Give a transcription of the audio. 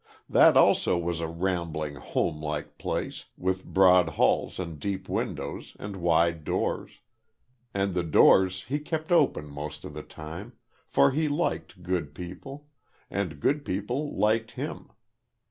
That also was a rambling, homelike place, with broad halls and deep windows, and wide doors. And the doors he kept open most of the time; for he liked good people, and good people liked him.